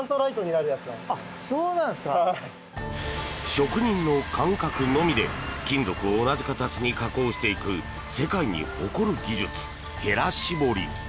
職人の感覚のみで金属を同じ形に加工していく世界に誇る技術へら絞り。